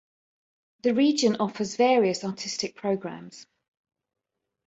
The region offers various artistic programs.